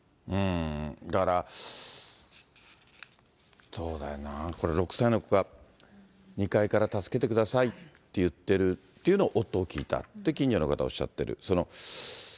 だから、そうだよなぁ、これ、６歳の子が２階から助けてくださいって言ってるっていうのを、音を聞いたって近所の方、おっしゃってる。